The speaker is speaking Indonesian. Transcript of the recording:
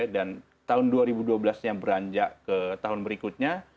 dan tahun dua ribu dua belas yang beranjak ke tahun berikutnya